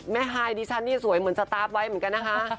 ฮายดิฉันนี่สวยเหมือนสตาร์ฟไว้เหมือนกันนะคะ